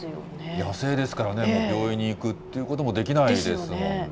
野生ですからね、病院に行くということもできないですもんね。